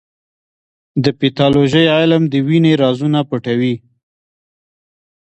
د پیتالوژي علم د وینې رازونه پټوي.